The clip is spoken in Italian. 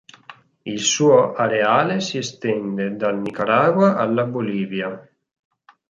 Il suo areale si estende dal Nicaragua alla Bolivia.